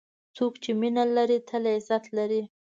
څوک چې مینه لري، تل عزت لري.